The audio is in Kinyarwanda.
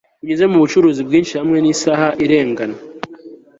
Binyuze mu bucuruzi bwinshi hamwe nisaha irengana